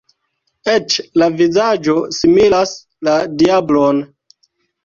Eĉ la vizaĝo similas la diablon!